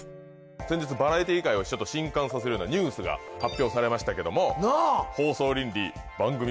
先日バラエティ界を震撼させるようなニュースが発表されましたけどもなあ！